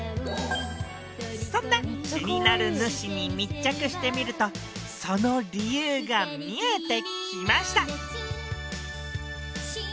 そんな気になる主に密着してみるとその理由が見えてきました